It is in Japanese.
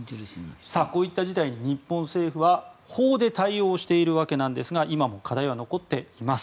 こういった事態に日本政府は法で対応しているわけなんですが今も課題は残っています。